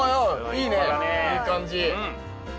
いい感じ。